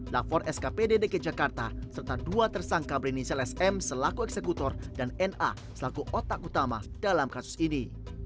lafor skpd dki jakarta serta dua tersangka berinisial sm selaku eksekutor dan na selaku otak utama dalam kasus ini